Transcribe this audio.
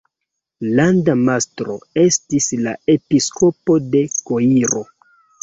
Landa mastro estis la episkopo de Koiro.